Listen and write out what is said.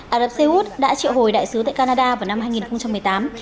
ả rập xê út đã triệu hồi đại sứ tại canada vào năm hai nghìn một mươi tám